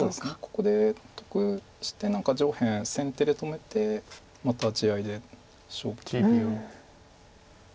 ここで得して何か上辺先手で止めてまた地合いで勝負。